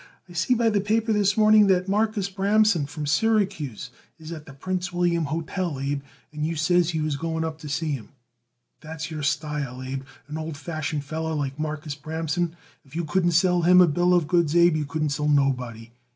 I see by the paper this morning that Marcus Bramson, from Syracuse, is at the Prince William Hotel, Abe, and you says you was going up to see him. That's your style, Abe: an old fashion feller like Marcus Bramson. If you couldn't sell him a bill of goods, Abe, you couldn't sell nobody.